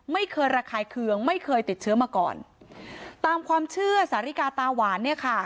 ไม่เคยระคายเคืองไม่เคยติดเชื้อมาก่อนตามความเชื่อสาริกาตาหวานเนี่ยค่ะ